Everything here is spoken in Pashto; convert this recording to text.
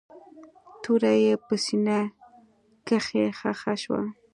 توره يې په سينه کښې ښخه شوه.